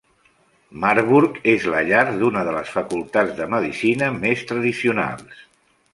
Marburg és la llar d'una de les facultats de medicina més tradicionals.